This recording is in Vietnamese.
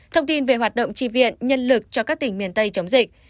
thông tin về hoạt động tri viện nhân lực cho các tỉnh miền tây chống dịch